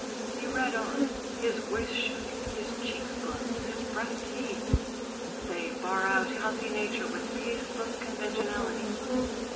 He read on; his voice shook, his cheeks glowed, his breast heaved: "They bar out healthy nature with tasteless conventionalities."...